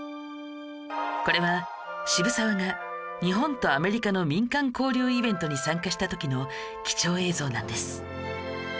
これは渋沢が日本とアメリカの民間交流イベントに参加した時の貴重映像なんです